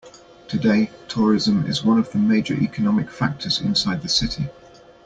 Today, tourism is one of the major economic factors inside the city.